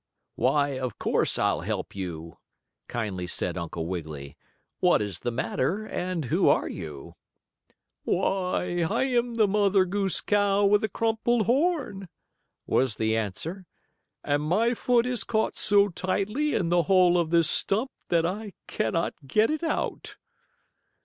"Why, of course, I'll help you," kindly said Uncle Wiggily. "What is the matter, and who are you?" "Why, I am the Mother Goose cow with the crumpled horn," was the answer, "and my foot is caught so tightly in the hole of this stump that I cannot get it out."